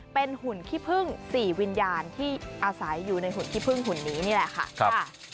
เป็นหุ่นขี้พึ่ง๔วิญญาณที่อาศัยอยู่ในหุ่นขี้พึ่งหุ่นนี้นี่แหละค่ะ